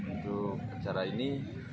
untuk acara ini